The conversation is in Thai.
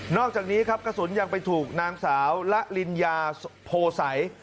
นอกจากนี้กระสุนยังไปถูกนางสาวหละลินยาโผ่ไส